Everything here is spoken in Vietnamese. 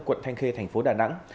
quận thanh khê thành phố đà nẵng